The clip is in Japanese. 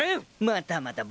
またまた。